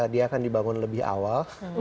dia akan dibangun lebih awal